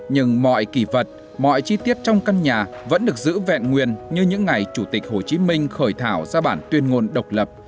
nhưng mọi kỳ vật mọi chi tiết trong căn nhà vẫn được giữ vẹn nguyên như những ngày chủ tịch hồ chí minh khởi thảo ra bản tuyên ngôn độc lập